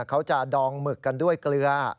เขาจะดองหมึกกันด้วยเกลือ